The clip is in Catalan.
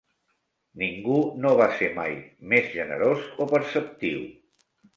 Ningú no va ser mai més generós o perceptiu.